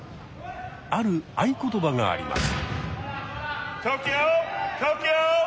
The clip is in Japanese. ある「合言葉」があります。